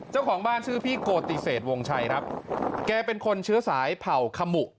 เจ้าของบ้านชื่อพี่โกติเศษวงชัยครับแกเป็นคนเชื้อสายเผ่าขมุ